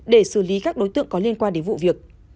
để xử lý các đối tượng có liên quan đến vụ việc